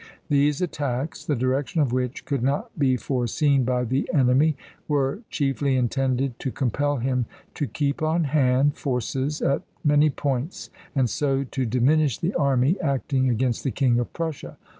These attacks, the direction of which could not be foreseen by the enemy, were chiefly intended to compel him to keep on hand forces at many points, and so to diminish the army acting against the King of Prussia.